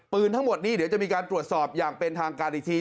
ทั้งหมดนี้เดี๋ยวจะมีการตรวจสอบอย่างเป็นทางการอีกที